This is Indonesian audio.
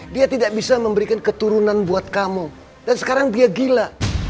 dan sekarang dia gila